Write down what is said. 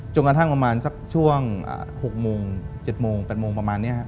กระทั่งประมาณสักช่วง๖โมง๗โมง๘โมงประมาณนี้ครับ